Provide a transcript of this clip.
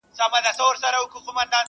جهاني غزل دي نوی شرنګ اخیستی،